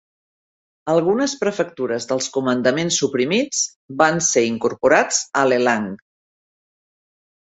Algunes prefectures dels comandaments suprimits van ser incorporats a Lelang.